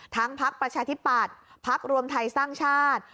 ทั้งพรรคประชาธิบัติพรรครวมไทยสร้างชาติ